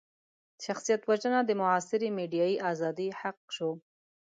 شخصيت وژنه د معاصرې ميډيايي ازادۍ حق شو.